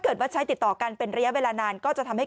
กินให้ดูเลยค่ะว่ามันปลอดภัย